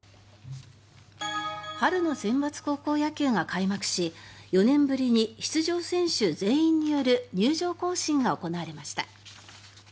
春のセンバツ高校野球が開幕し４年ぶりに出場選手全員による入場行進が行われました。